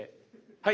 はい。